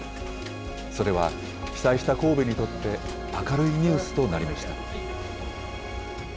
それは被災した神戸にとって、明るいニュースとなりました。